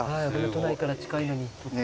都内から近いのに。